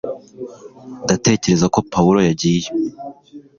ndatekereza ko pawulo yagiye